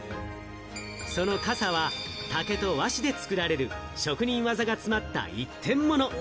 その傘は、竹と和紙で作られる職人技が詰まった一点もの。